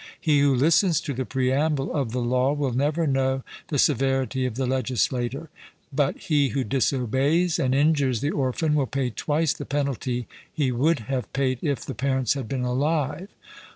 He who listens to the preamble of the law will never know the severity of the legislator; but he who disobeys, and injures the orphan, will pay twice the penalty he would have paid if the parents had been alive.